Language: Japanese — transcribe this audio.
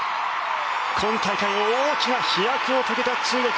今大会大きな飛躍を遂げた中国。